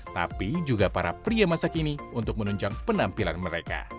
tapi juga para pria masa kini untuk menunjang penampilan mereka